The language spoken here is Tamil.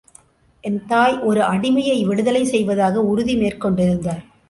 என் தாய் ஒரு அடிமையை விடுதலை செய்வதாக உறுதி மேற்கொண்டிருந்தார்.